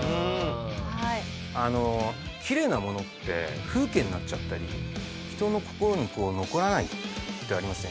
あのキレイなものって風景になっちゃったり人の心に残らないってありません？